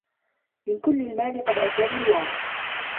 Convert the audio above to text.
مِنْ كُلِّ الْمَالِ قَدْ آتَانِي اللَّهُ